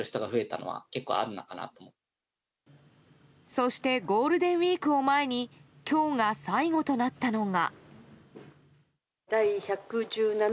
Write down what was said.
そしてゴールデンウィークを前に今日が最後となったのが。